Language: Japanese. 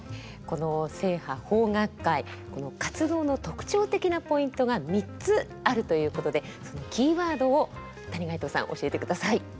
この正派邦楽会活動の特徴的なポイントが３つあるということでそのキーワードを谷垣内さん教えてください。